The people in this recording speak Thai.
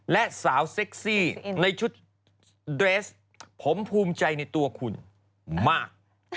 และสาวเซ็กซี่ในชุดเดรสผมภูมิใจในตัวคุณมาก